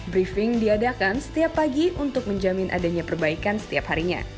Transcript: briefing diadakan setiap pagi untuk menjamin adanya perbaikan setiap harinya